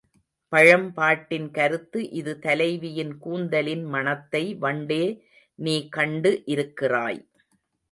பழம்பாட்டின் கருத்து இது தலைவியின் கூந்தலின் மணத்தை வண்டே நீ கண்டு இருக்கிறாய்.